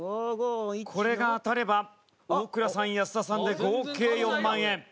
これが当たれば大倉さん安田さんで合計４万円。